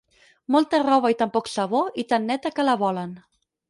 Molta roba i tan poc sabó i tan neta que la volen.